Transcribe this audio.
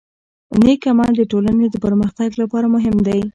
نیک عمل د ټولنې د پرمختګ لپاره مهم دی.